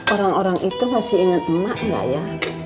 orang orang itu pasti inget emak gak ya